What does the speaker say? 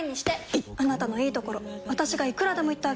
いっあなたのいいところ私がいくらでも言ってあげる！